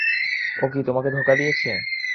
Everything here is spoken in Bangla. ও তো তোমাকে ধোঁকা দিয়েছে!